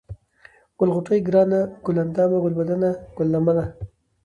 ګل غوټۍ ، گرانه ، گل اندامه ، گلبدنه ، گل لمنه ،